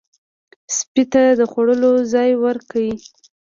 سپي ته د خوړلو ځای ورکړئ.